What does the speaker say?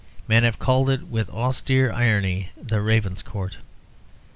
Men have called it, with austere irony, the Ravenscourt.